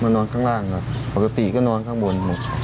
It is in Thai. มานอนข้างล่างปกติก็นอนข้างบน